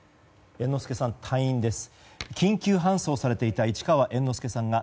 猿之助さん、退院です。